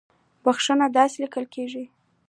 بخښنه داسې ليکل کېږي